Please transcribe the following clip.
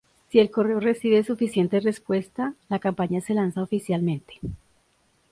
Si el correo recibe suficiente respuesta, la campaña se lanza oficialmente.